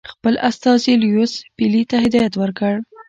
خپل استازي لیویس پیلي ته هدایت ورکړ.